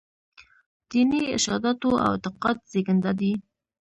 دیني ارشاداتو او اعتقاد زېږنده دي.